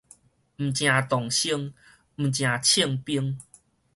毋成童生，毋成銃兵